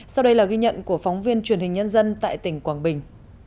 sau đây là ghi nhận của phóng viên truyền hình nhân dân tại tỉnh quảng bình